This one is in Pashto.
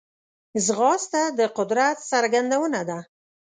ځغاسته د قدرت څرګندونه ده